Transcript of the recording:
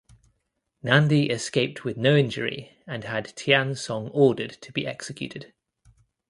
Nandi escaped with no injury and had Tian Song ordered to be executed.